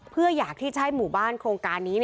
เพื่ออยากที่จะให้หมู่บ้านโครงการนี้